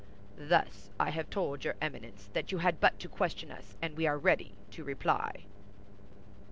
"Thus I have told your Eminence that you had but to question us, and we are ready to reply."